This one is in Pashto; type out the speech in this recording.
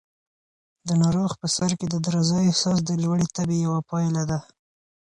د ناروغ په سر کې د درزا احساس د لوړې تبې یوه پایله ده.